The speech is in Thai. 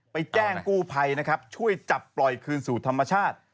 แจ้งกู้ภัยนะครับช่วยจับปล่อยคืนสู่ธรรมชาติ